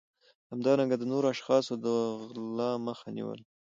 همدارنګه د نورو اشخاصو د غلا مخه نیول